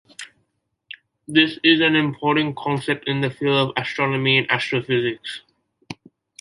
This is an important concept in the fields of astronomy and astrophysics.